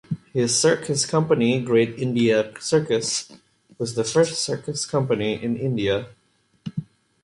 His circus company Great Indian Circus was the first circus company in India.